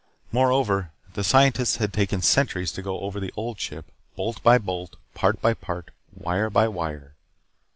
Moreover, the scientists had taken centuries to go over the Old Ship, bolt by bolt, part by part, wire by wire.